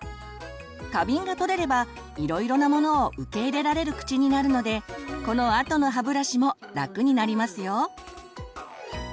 過敏がとれればいろいろなものを受け入れられる口になるのでこのあとの歯ブラシも楽になりますよ。